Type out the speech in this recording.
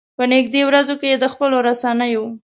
په نږدې ورځو کې یې د خپلو رسنيو.